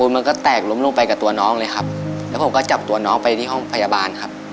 มันก็แตกล้มลงไปกับตัวน้องเลยครับแล้วผมก็จับตัวน้องไปที่ห้องพยาบาลครับ